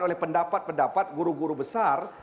oleh pendapat pendapat guru guru besar